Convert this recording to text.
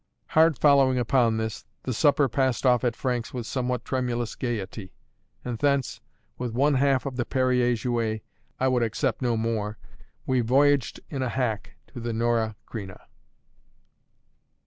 Hard following upon this, the supper passed off at Frank's with somewhat tremulous gaiety. And thence, with one half of the Perrier Jouet I would accept no more we voyaged in a hack to the Norah Creina.